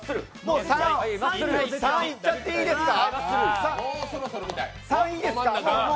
３いっちゃっていいですか？